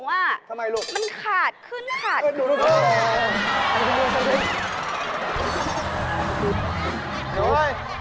ทำไมลูกมันขาดขึ้นขาดขึ้นดูลูกค้า